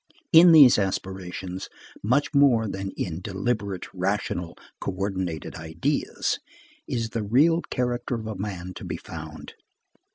In these aspirations, much more than in deliberate, rational co ordinated ideas, is the real character of a man to be found.